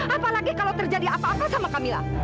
apalagi kalau terjadi apa apa sama kamilah